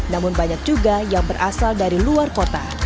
namun banyak juga yang berasal dari luar kota